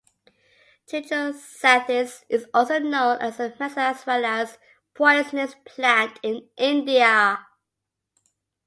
"Trichosanthes" is also known as a medicinal as well as poisonous plant in India.